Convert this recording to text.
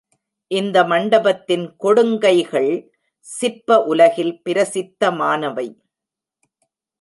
இந்த மண்டபத்தின் கொடுங்கைகள் சிற்ப உலகில் பிரசித்தமானவை.